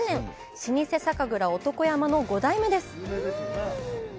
老舗酒蔵男山の５代目です。